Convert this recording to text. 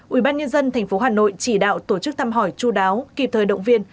một ủy ban nhân dân tp hà nội chỉ đạo tổ chức thăm hỏi chú đáo kịp thời động viên